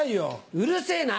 うるせぇな。